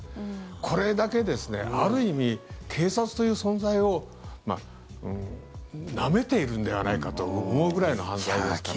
これだけですねある意味、警察という存在をなめてるんではないかと思うぐらいの犯罪ですから。